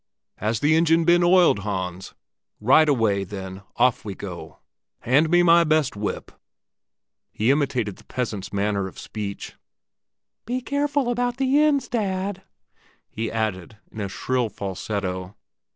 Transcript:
Has the engine been oiled, Hans? Right away, then, off we go; hand me my best whip!" He imitated the peasants' manner of speech. "Be careful about the inns, Dad!" he added in a shrill falsetto.